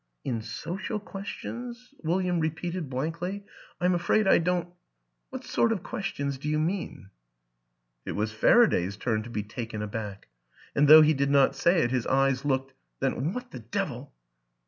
" "In social questions?" William repeated blankly. " I'm afraid I don't What sort of questions do you mean?" It was Faraday's turn to be taken aback, and, though he did not say it, his eyes looked, " Then what the devil